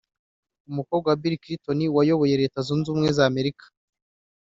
umukobwa wa Bill Clinton wayoboye Leta Zunze Ubumwe za Amerika